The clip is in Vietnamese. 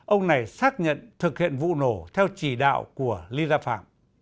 ông này xác nhận thực hiện vụ nổ theo chỉ đạo của ly gia phạm